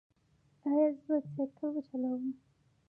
ایا زه باید سایکل وچلوم؟